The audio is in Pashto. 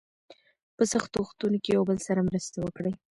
په سختو وختونو کې یو بل سره مرسته وکړئ.